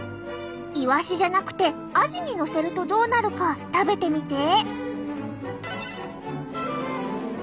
イワシじゃなくてアジにのせるとどうなるか食べてみて。